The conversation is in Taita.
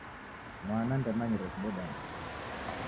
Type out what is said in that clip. Mwana ndemanyire kudeda nicha.